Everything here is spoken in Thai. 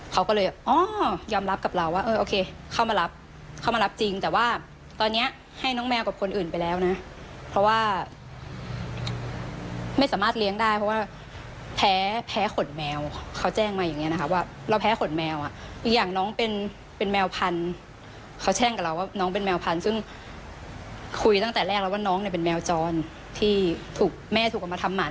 เขาก็เลยอ๋อยอมรับกับเราว่าเออโอเคเข้ามารับเข้ามารับจริงแต่ว่าตอนนี้ให้น้องแมวกับคนอื่นไปแล้วนะเพราะว่าไม่สามารถเลี้ยงได้เพราะว่าแพ้แพ้ขนแมวเขาแจ้งมาอย่างเงี้นะคะว่าเราแพ้ขนแมวอ่ะอีกอย่างน้องเป็นแมวพันธุ์เขาแช่งกับเราว่าน้องเป็นแมวพันธุ์ซึ่งคุยตั้งแต่แรกแล้วว่าน้องเนี่ยเป็นแมวจรที่ถูกแม่ถูกเอามาทำหมัน